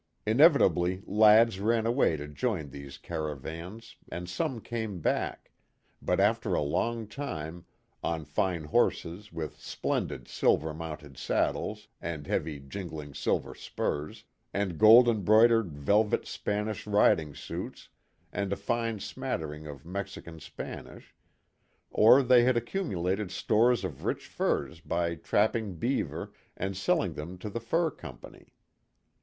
Inevitably lads ran away to join these cara vans and some came back, but after a long time, on fine horses with splendid silver mounted saddles and heavy jingling silver spurs, and gold embroidered velvet Spanish riding suits and a fine smattering of Mexican Spanish ; or they had accumulated stores of rich furs by trap ping beaver and selling them to the fur company.